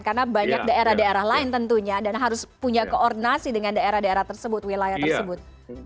karena banyak daerah daerah lain tentunya dan harus punya koordinasi dengan daerah daerah tersebut wilayah tersebut